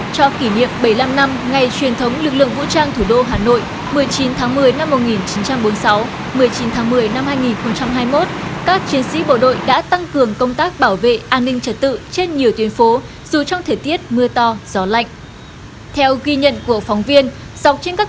các bạn hãy đăng ký kênh để ủng hộ kênh của chúng mình nhé